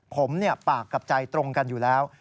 ผมปากกับใจตรงกันอยู่แล้ว